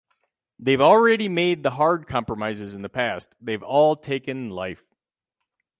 They've already made the hard compromises in the past; they've all taken life.